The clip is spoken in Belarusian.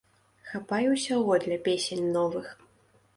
Хапае ўсяго для песень новых.